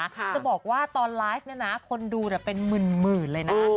จะบอกว่าตอนไลฟ์เนี่ยนะคนดูเป็นหมื่นเลยนะ